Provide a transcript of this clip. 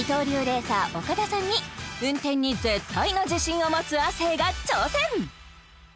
レーサー岡田さんに運転に絶対の自信を持つ亜生が挑戦！